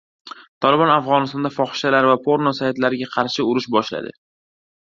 Tolibon Afg‘onistonda fohishalar va porno saytlarga qarshi urush boshladi